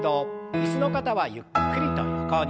椅子の方はゆっくりと横に。